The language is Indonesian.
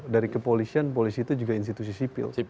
dari kepolisian polisi itu juga institusi sipil